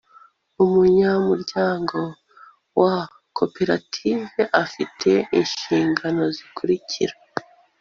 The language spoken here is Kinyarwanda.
umunyamuryango wa koperative afite inshingano zikurikira